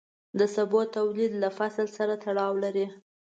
د سبو تولید له فصل سره تړاو لري.